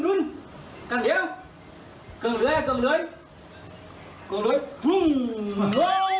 อยู่นั่นลงใกล้แล้วไว้